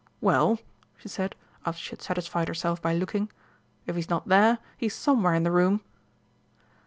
Well," she said, after she had satisfied herself by looking, "if he's not there, he's somewhere in the room!"